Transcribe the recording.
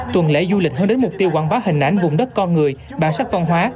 tuần lễ du lịch hướng đến mục tiêu quảng bá hình ảnh vùng đất con người bản sắc văn hóa